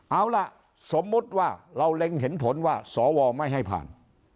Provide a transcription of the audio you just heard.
เอาล่ะสมมุติว่าเราเล็งเห็นผลว่าสวไม่ให้ผ่าน